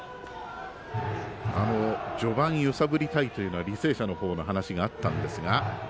序盤、揺さぶりたいというのは履正社のほうの話があったんですが。